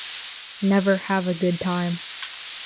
Never have a good time.